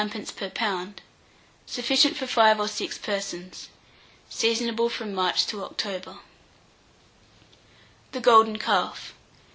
per lb. Sufficient for 5 or 6 persons. Seasonable from March to October. THE GOLDEN CALF.